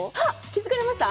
気づかれました？